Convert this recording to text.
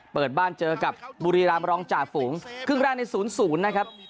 เปิดบ้านเจอกับบุรีรามรองจ่าฝูงครึ่งแรกใน๐๐นะครับ